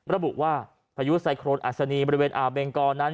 ระบุว่าพายุไซโครนอัศนีบริเวณอ่าวเบงกอนั้น